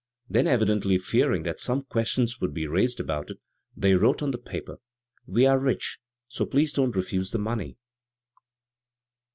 Then, evi dentiy fearing that some question would be raised about it, they wrote on the paper : 'We are rich, so please don't refuse the money.'